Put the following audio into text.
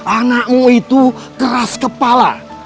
anakmu itu keras kepala